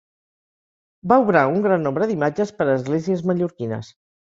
Va obrar un gran nombre d'imatges per a esglésies mallorquines.